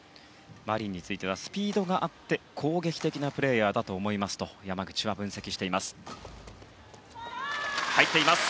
マリンについてはスピードがあって攻撃的なプレーヤーだと思いますと山口は分析しています。